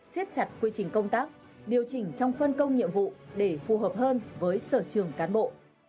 xiết chặt quy trình công tác điều chỉnh trong phân công nhiệm vụ để phù hợp hơn với sở trường cán bộ